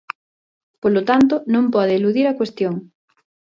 Polo tanto, non pode eludir a cuestión.